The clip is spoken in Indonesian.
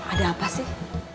ada apa sih